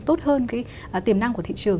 tốt hơn cái tiềm năng của thị trường